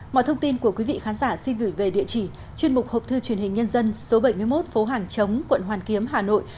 mọi thông tin của quý vị khán giả xin gửi về địa chỉ chuyên mục hộp thư truyền hình nhân dân số bảy mươi một phố hàng chống quận hoàn kiếm hà nội